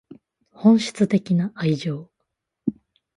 本質的な愛情